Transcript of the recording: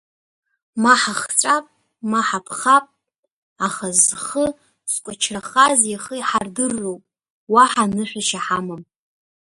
Ма ҳахҵәап, ма ҳапхап, аха зхы зкуачрахаз ихы иҳардырроуп, уаҳа нышәашьа ҳамам!